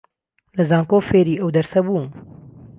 لە زانکۆ فێری ئەو دەرسە بووم